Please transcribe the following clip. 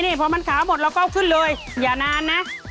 นี่พอมันขาหมดเราก็ขึ้นเลยอย่านานนะ